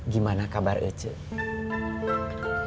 gimana kabar aceh